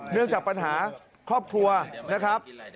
เนื่องจากปัญหาครอบครัวนะครับ